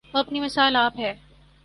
وہ اپنی مثال آپ ہے۔